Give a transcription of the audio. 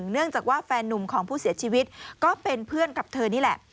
เนื่องจากว่าแฟนนุ่มของผู้เสียชีวิตก็เป็นเพื่อนกับเธอนี่แหละ